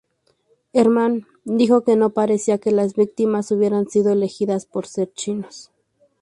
Herrmann dijo que no parecía que las víctimas hubieran sido elegidas por ser chinos.